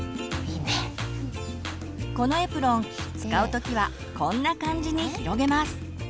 このエプロン使う時はこんな感じに広げます。